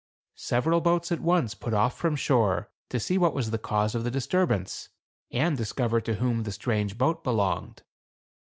Several boats at once put off from shore, to see what was the cause of the disturbance, and discover to whom the strange boat belonged.